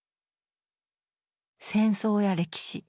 戦争や歴史。